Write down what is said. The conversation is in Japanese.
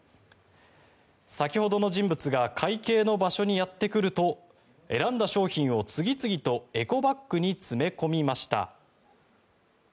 先ほどの人物が会計の場所にやってくると選んだ商品を次々とエコバッグに詰め込みました。